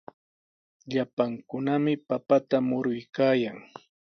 Llapankunami papata muruykaayan.